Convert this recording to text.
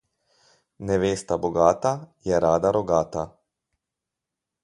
Nevesta bogata, je rada rogata.